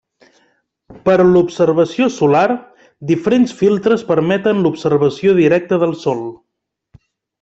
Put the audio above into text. Per a l'observació solar, diferents filtres permeten l'observació directa del sol.